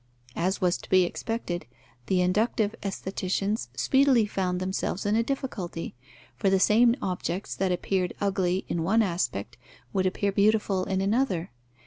As was to be expected, the inductive aestheticians speedily found themselves in a difficulty, for the same objects that appeared ugly in one aspect would appear beautiful in another.